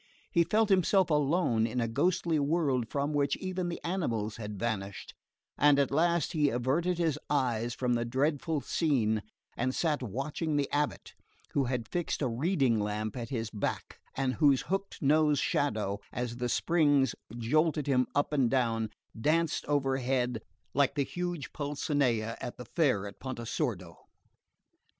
He felt himself alone in a ghostly world from which even the animals had vanished, and at last he averted his eyes from the dreadful scene and sat watching the abate, who had fixed a reading lamp at his back, and whose hooked nosed shadow, as the springs jolted him up and down, danced overhead like the huge Pulcinella at the fair of Pontesordo.